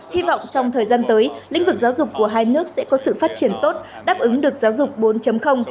hy vọng trong thời gian tới lĩnh vực giáo dục của hai nước sẽ có sự phát triển tốt đáp ứng được giáo dục bốn